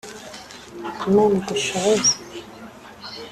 Imana igushoboze